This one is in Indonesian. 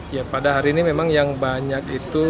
ya pada hari ini memang yang banyak itu